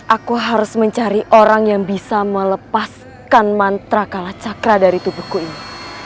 aku harus mencari orang yang bisa melepaskan mantra kalah cakra dari tubuhku ini